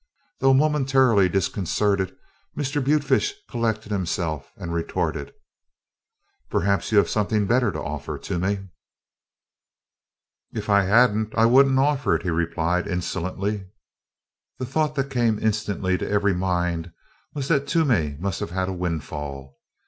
Though momentarily disconcerted, Mr. Butefish collected himself and retorted: "Perhaps you have something better to offer, Toomey." "If I hadn't I wouldn't offer it," he replied insolently. The thought that came instantly to every mind was that Toomey must have had a windfall.